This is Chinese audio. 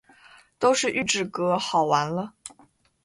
都是预制歌，好完了